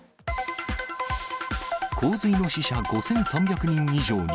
洪水の死者５３００人以上に。